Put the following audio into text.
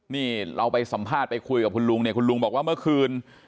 นี่เราไปสัมภาษณ์ไปคุยกับคุณลุงเนี่ยคุณลุงบอกว่าเมื่อคืน